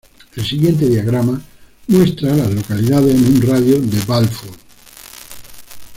El siguiente diagrama muestra a las localidades en un radio de de Balfour.